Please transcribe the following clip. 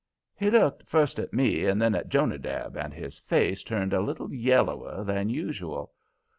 He looked first at me and then at Jonadab, and his face turned a little yellower than usual.